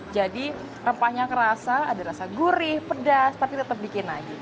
jadi rempahnya kerasa ada rasa gurih pedas tapi tetap bikin lagi